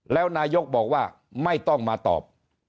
แล้วนายกบอกว่าไม่ต้องมาตอบ